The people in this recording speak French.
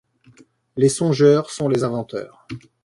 Les songeurs sont les inventeurs.